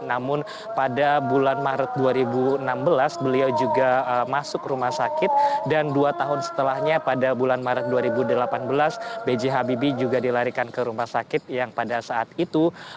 namun pada bulan maret dua ribu enam belas beliau juga masuk rumah sakit dan dua tahun setelahnya pada bulan maret dua ribu delapan belas b j habibie juga dilarikan ke rumah sakit yang pada saat itu